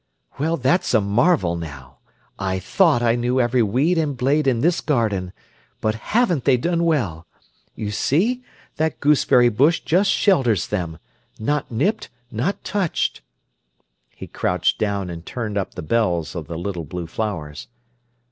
"Well, that's a marvel, now! I thought I knew every weed and blade in this garden. But haven't they done well? You see, that gooseberry bush just shelters them. Not nipped, not touched!" He crouched down and turned up the bells of the little blue flowers.